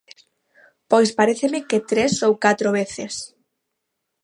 Pois paréceme que tres ou catro veces.